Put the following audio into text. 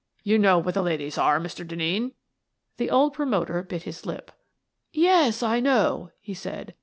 You know what the ladies are, Mr. Denneen." The old promoter bit his lip. 11 Yes, I know," he said.